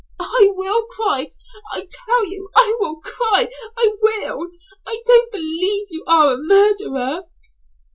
"I will cry. I tell you I will cry. I will. I don't believe you are a murderer."